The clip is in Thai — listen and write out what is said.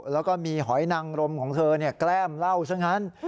แล้วก็มีหอยนังรมของเธอแกล้มเหล้าซะงั้น